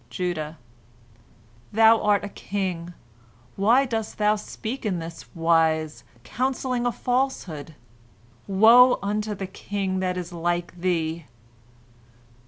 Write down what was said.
Judah: "Thou art a king, why dost thou speak in this wise, counselling a falsehood? Woe unto the king that is like thee!"